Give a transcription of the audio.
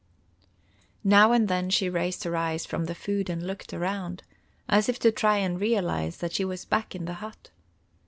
Now and then she raised her eyes from the food and looked around,—as if to try and realize that she was back in the hut.